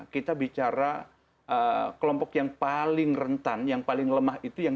kita bicara kelompok yang paling rentan yang paling lemah itu yang